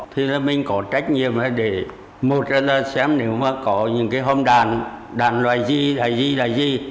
thế là mình có trách nhiệm là để một là xem nếu mà có những cái hôm đàn đàn loại gì loại gì loại gì